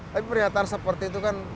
tapi pernyataan seperti itu kan